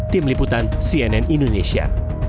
tim liputan cnn indonesia